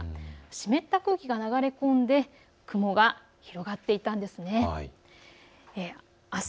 湿った空気が流れ込んで雲が広がっていたんです。